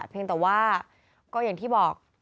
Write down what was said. เพียงแต่ว่าก็อย่างที่บอก